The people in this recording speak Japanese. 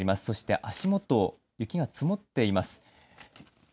そして足元雪が積もっています。